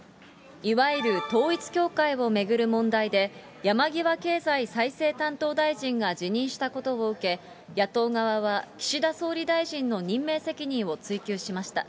いわゆる統一教会を巡る問題で、山際経済再生担当大臣が辞任したことを受け、野党側は岸田総理大臣の任命責任を追及しました。